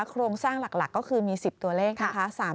โครงสร้างหลักก็คือมี๑๐ตัวเลขนะคะ